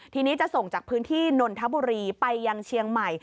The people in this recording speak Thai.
ทีนี้จะส่งจากพื้นที่นนทบุรีไปยังเชียงใหม่